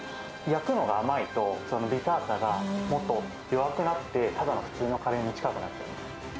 焼くのが甘いと、ビターさがもっと弱くなって、ただの普通のカレーに近くになってしまう。